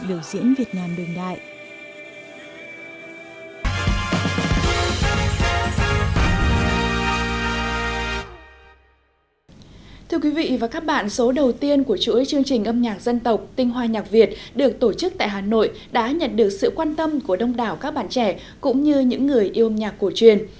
điều đầu tiên của chuỗi chương trình âm nhạc dân tộc tinh hoa nhạc việt được tổ chức tại hà nội đã nhận được sự quan tâm của đông đảo các bạn trẻ cũng như những người yêu âm nhạc cổ truyền